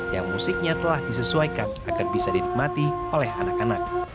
yang musiknya telah disesuaikan agar bisa dinikmati oleh anak anak